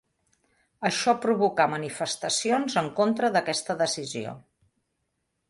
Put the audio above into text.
Això provocà manifestacions en contra d'aquesta decisió.